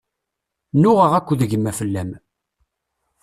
Nuɣeɣ akked gma fell-am.